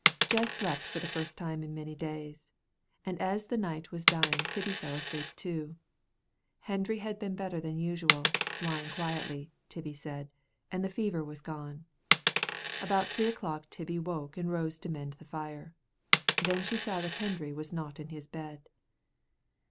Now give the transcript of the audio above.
Jess slept for the first time for many days, and as the night was dying Tibbie fell asleep too. Hendry had been better than usual, lying quietly, Tibbie said, and the fever was gone. About three o'clock Tibbie woke and rose to mend the fire. Then she saw that Hendry was not in his bed.